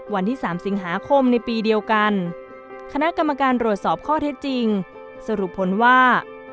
วันที่๓สิงหาคมในปีเดียวกันคณะกรรมการรวดสอบข้อเท็จจริงสรุปผลว่า